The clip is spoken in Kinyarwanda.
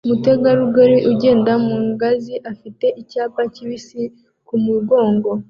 Umutegarugori ugenda mu ngazi afite icyapa kibisi ku mugongo